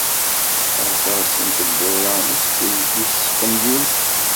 Aṭas n tewwura i s-d-teldi tespenyult.